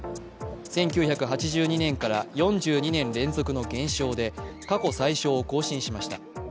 １９８２年から、４２年連続の減少で過去最少を更新しました。